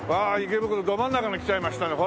池袋ど真ん中に来ちゃいましたね。